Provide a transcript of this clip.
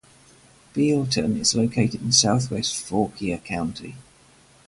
Bealeton is located in southwestern Fauquier County.